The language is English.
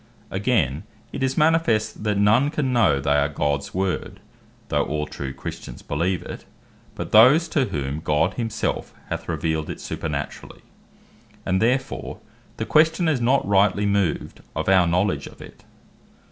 Again, it is manifest, that none can know they are Gods Word, (though all true Christians beleeve it,) but those to whom God himself hath revealed it supernaturally; and therefore the question is not rightly moved, of our Knowledge of it.